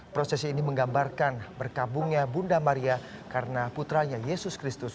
prosesi ini menggambarkan berkabungnya bunda maria karena putranya yesus kristus